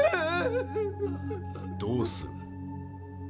どうする？